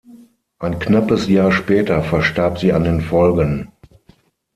Ein knappes Jahr später verstarb sie an den Folgen.